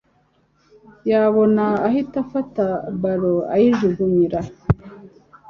yabona ahita afata ballon ayijugunyira